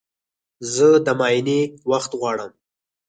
زه د معاینې وخت غواړم.